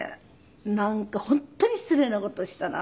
なんか本当に失礼な事をしたなと思って。